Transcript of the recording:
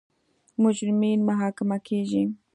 مجرمین محاکمه کیږي.